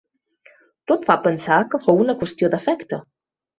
Tot fa pensar que fou una qüestió d'afecte.